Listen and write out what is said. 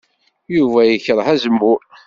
Yuba yekṛeh azemmur.